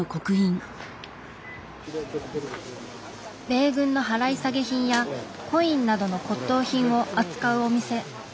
米軍の払い下げ品やコインなどの骨董品を扱うお店。